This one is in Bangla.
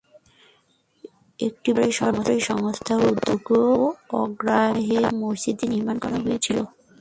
একটি বেসরকারী সংস্থার উদ্যোগ ও আগ্রহে মসজিদটি নির্মাণ করা হয়েছিল।